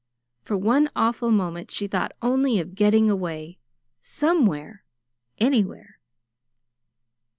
For one awful moment she thought only of getting away somewhere, anywhere.